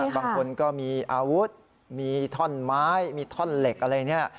บางคนก็มีอาวุธมีท่อนไม้มีท่อนเหล็กอะไรเนี่ย